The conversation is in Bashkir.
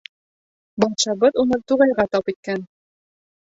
Батшабыҙ уны туғайҙа тап иткән.